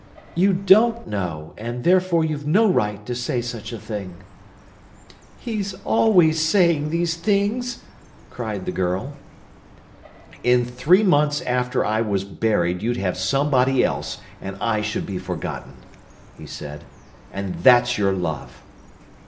"You don't know, and therefore you've no right to say such a thing." "He's always saying these things!" cried the girl. "In three months after I was buried you'd have somebody else, and I should be forgotten," he said. "And that's your love!"